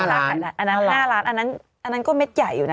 อันนั้น๕ล้านอันนั้นก็เม็ดใหญ่อยู่นะ